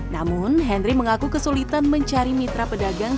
namun henry mengaku kesulitan mencari mitra pedagang